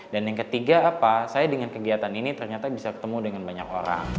dan yang ketiga apa saya dengan kegiatan ini ternyata bisa ketemu dengan banyak orang